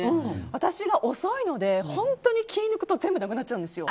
私が遅いので、本当に気を抜くと全部なくなっちゃうんですよ。